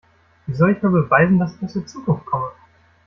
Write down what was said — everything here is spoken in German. Wie soll ich nur beweisen, dass ich aus der Zukunft komme?